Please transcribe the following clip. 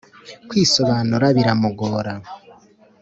kwisobanura bira mugora